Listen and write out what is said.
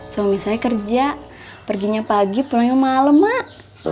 suami saya kerja perginya pagi pulangnya malem emak